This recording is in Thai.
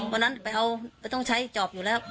วันนั้นไปเอาต้องใช้จอบอยู่แล้ว